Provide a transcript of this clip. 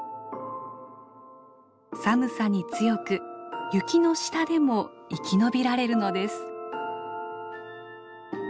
寒さに強く雪の下でも生き延びられるのです。